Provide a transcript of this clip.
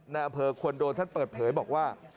ในอำเภอควรโดนท่านเปิดเผยบอกว่า